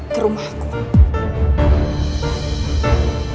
ke rumah gua